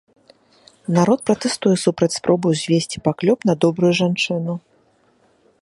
Народ пратэстуе супраць спробы ўзвесці паклёп на добрую жанчыну.